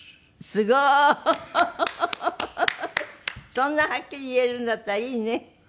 そんなはっきり言えるんだったらいいね。